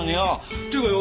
っていうかよ